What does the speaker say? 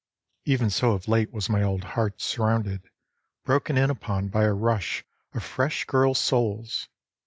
Even so of late was my old heart surrounded, broken in upon by a rush of fresh girls' souls